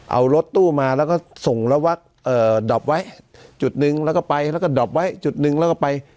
เอารถตู้มาแล้วก็ส่งแล้ววักดอบไว้จุดหนึ่งแล้วก็ไปแล้วก็ดอบไว้จุดหนึ่งแล้วก็ไป